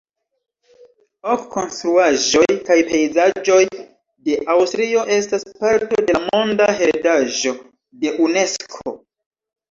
Ok konstruaĵoj kaj pejzaĝoj de Aŭstrio estas parto de la Monda heredaĵo de Unesko.